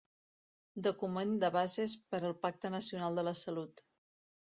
Document de bases per al Pacte Nacional de la Salut.